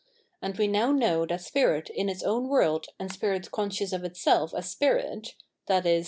As we now know that spirit in its own world and spirit conscious of itseH as spirit, i.e.